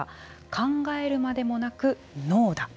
考えるまでもなくノーだ。